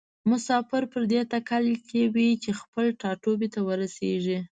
مسافر پر دې تکل کې وي چې خپل ټاټوبي ته ورسیږي.